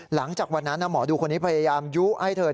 หลังจากวันนั้นหมอดูคนนี้พยายามยุให้เธอ